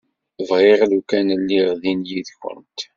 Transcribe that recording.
Bɣiɣ lukan lliɣ din yid-kent.